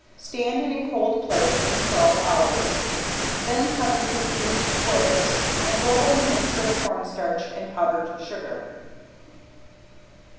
Stand in a cold place for twelve hours, then cut into inch squares and roll in a mixture of cornstarch and powdered sugar.